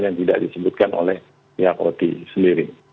yang tidak disebutkan oleh pihak oti sendiri